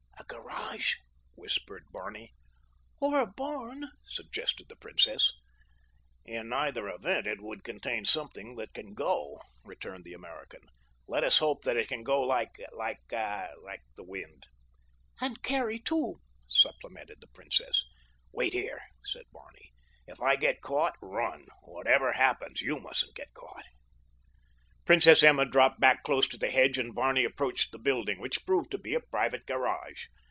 "A garage?" whispered Barney. "Or a barn," suggested the princess. "In either event it should contain something that can go," returned the American. "Let us hope that it can go like—like—ah—the wind." "And carry two," supplemented the princess. "Wait here," said Barney. "If I get caught, run. Whatever happens you mustn't be caught." Princess Emma dropped back close to the hedge and Barney approached the building, which proved to be a private garage.